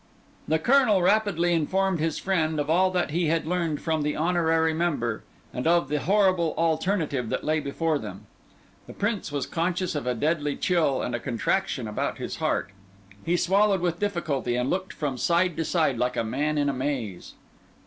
The Colonel rapidly informed his friend of all that he had learned from the honorary member, and of the horrible alternative that lay before them. The Prince was conscious of a deadly chill and a contraction about his heart; he swallowed with difficulty, and looked from side to side like a man in a maze.